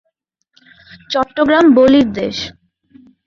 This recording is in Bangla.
চট্টগ্রাম বলির দেশ।